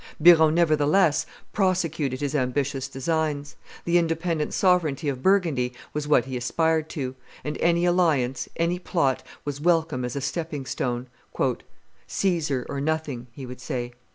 Biron nevertheless prosecuted his ambitious designs; the independent sovereignty of Burgundy was what he aspired to, and any alliance, any plot, was welcome as a stepping stone. "Caesar or nothing," he would say.